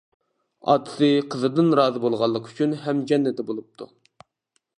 ئاتىسى قىزىدىن رازى بولغانلىقى ئۈچۈن ھەم جەننىتى بولۇپتۇ.